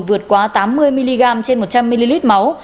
vượt quá tám mươi mg trên một trăm linh ml máu